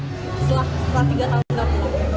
setelah tiga tahun gak pulang